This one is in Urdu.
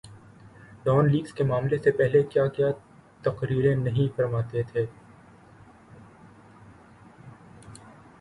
ڈان لیکس کے معاملے سے پہلے کیا کیا تقریریں نہیں فرماتے تھے۔